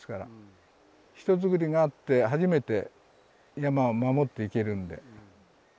人づくりがあって初めて山は守っていけるんで。